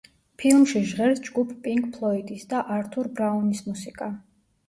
ფილმში ჟღერს ჯგუფ პინკ ფლოიდის და ართურ ბრაუნის მუსიკა.